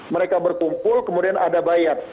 mereka berkumpul kemudian ada bayat